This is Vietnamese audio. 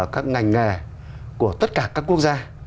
các ngành nghề của tất cả các quốc gia